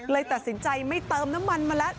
ตัดสินใจไม่เติมน้ำมันมาแล้ว